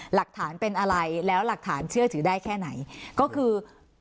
หลักฐานเป็นอะไรแล้วหลักฐานเชื่อถือได้แค่ไหนก็คือ